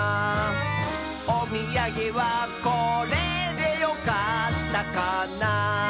「おみやげはこれでよかったかな」